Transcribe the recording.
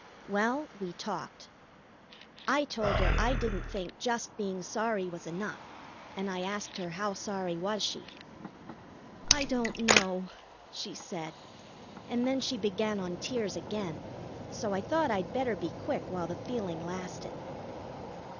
Well, we talked. I told her I didn't think just being sorry was enough, and I asked her how sorry was she. "I don't know," she said, and then she began on tears again, so I thought I'd better be quick while the feeling lasted.